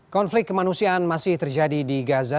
konflik kemanusiaan masih terjadi di gaza